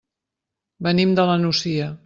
Venim de la Nucia.